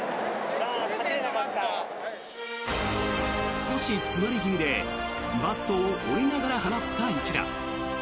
少し詰まり気味でバットを折りながら放った一打。